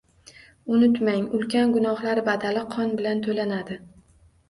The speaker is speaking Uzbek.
Unutmang! Ulkan gunohlar badali qon bilan to’lanadi!